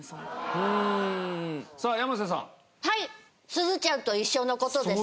すずちゃんと一緒の事ですね。